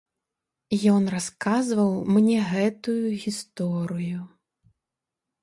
Ён расказваў мне гэтую гісторыю.